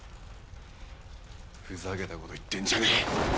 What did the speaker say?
ふざけた事言ってんじゃねえ！